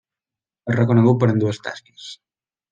És reconegut per ambdues tasques.